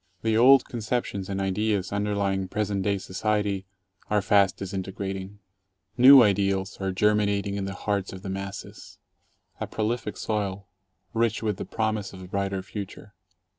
The old conceptions and ideas underlying present day society are fast disintegrating. New ideals are ger minating in the hearts of the masses — a prolific soil, rich with the promise of a brighter future.